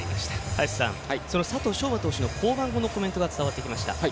早瀬さん、その佐藤奨真投手の降板後のコメントが伝わってきました。